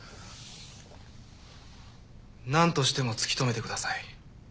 なんとしても突き止めてください。